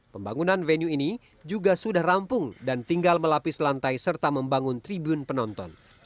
pembangunan venue ini juga sudah rampung dan tinggal melapis lantai serta membangun tribun penonton